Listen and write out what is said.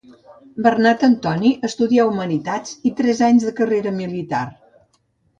Bernat Antoni estudià Humanitats i tres anys de carrera militar.